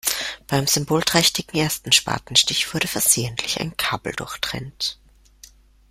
Beim symbolträchtigen ersten Spatenstich wurde versehentlich ein Kabel durchtrennt.